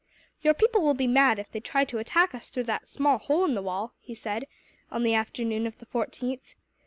"Your people will be mad, if they try to attack us through that small hole in the wall," he said, on the afternoon of the 14th.